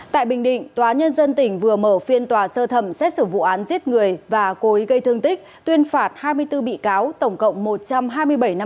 tại bình định tòa nhân dân tỉnh vừa mở phiên tòa sơ thẩm xét xử vụ án giết người và cố ý gây thương tích tuyên phạt hai mươi bốn bị cáo tổng cộng một trăm hai mươi bảy năm tù